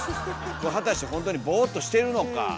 果たしてほんとにボーっとしているのか。